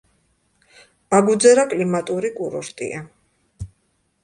აგუძერა კლიმატური კურორტია.